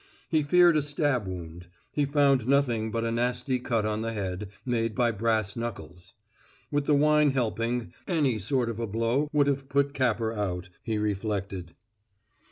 He feared a stab wound; he found nothing but a nasty cut on the head, made by brass knuckles. With the wine helping, any sort of a blow would have put Capper out, he reflected.